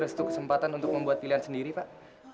restu kesempatan untuk membuat pilihan sendiri pak